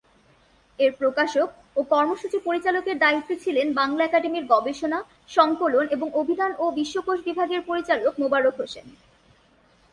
এর প্রকাশক ও কর্মসূচি পরিচালকের দায়িত্বে ছিলেন বাংলা একাডেমির গবেষণা, সংকলন এবং অভিধান ও বিশ্বকোষ বিভাগের পরিচালক মোবারক হোসেন।